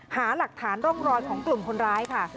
หาหลักฐานร่องรอยของกลุ่มคนร้ายค่ะ